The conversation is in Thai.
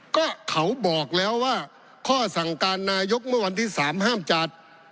ก็เขาบอกแล้วว่าข้อสั่งการนายกเมื่อวันที่๓ห้ามจัด